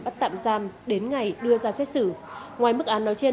bắt tạm giam đến ngày đưa ra xét xử ngoài mức án nói trên